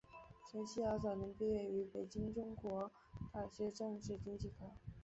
陈希豪早年毕业于北京中国大学政治经济科。